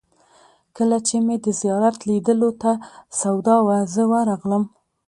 کله چې مې د زیارت لیدلو ته سودا وه، زه ورغلم.